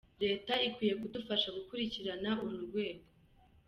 Leta ikwiye kudufasha gukurikirana uru rwego.